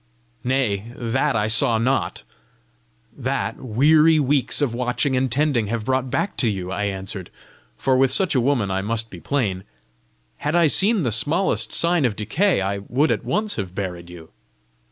"Nay; that I saw not! That, weary weeks of watching and tending have brought back to you," I answered for with such a woman I must be plain! "Had I seen the smallest sign of decay, I would at once have buried you."